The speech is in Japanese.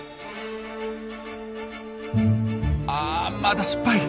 あまた失敗。